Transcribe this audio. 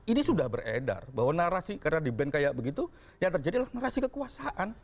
ini sudah beredar bahwa narasi karena di ban kayak begitu yang terjadilah narasi kekuasaan